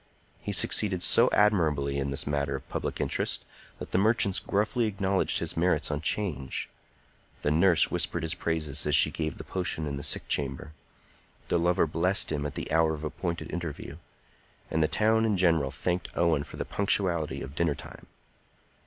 He succeeded so admirably in this matter of public interest that the merchants gruffly acknowledged his merits on 'Change; the nurse whispered his praises as she gave the potion in the sick chamber; the lover blessed him at the hour of appointed interview; and the town in general thanked Owen for the punctuality of dinner time.